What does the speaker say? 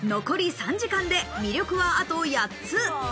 残り３時間で魅力はあと８つ。